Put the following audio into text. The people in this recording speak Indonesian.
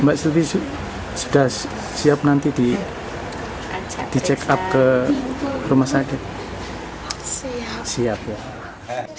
mbak stuti sudah siap nanti di check up ke rumah sakit siap ya